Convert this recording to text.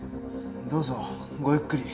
どうぞごゆっくり。